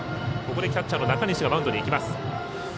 ここでキャッチャーの中西マウンドに行きます。